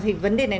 thì vấn đề này